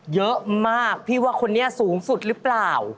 เยอะมากพี่ว่าคนนี้สูงสุดหรือเปล่า